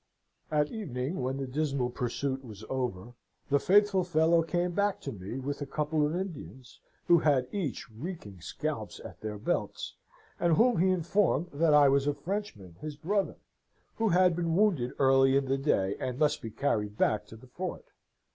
"At evening, when the dismal pursuit was over, the faithful fellow came back to me, with a couple of Indians, who had each reeking scalps at their belts, and whom he informed that I was a Frenchman, his brother, who had been wounded early in the day, and must be carried back to the fort.